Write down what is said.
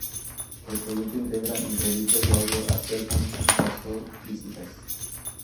El proyecto integra entrevistas de audio a cellphone-basó visitas.